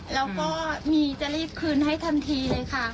แล้วก็มีจะรีบคืนให้ทันทีเลยค่ะ